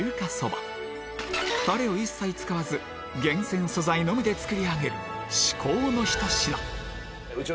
タレを一切使わず厳選素材のみで作り上げる至高のひと品